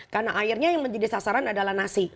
karena airnya yang menjadi sasaran adalah nasi